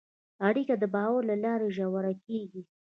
اړیکه د باور له لارې ژوره کېږي.